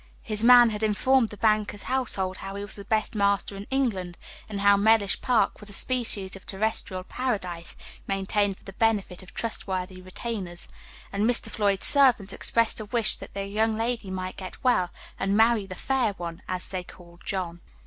His man had informed the banker's household how he was the best master in England, and how Mellish Park was a species of terrestrial paradise, maintained for the benefit of trustworthy retainers; and Mr. Floyd's servants expressed a wish that their young lady might get well, and marry the "fair one," as they called John.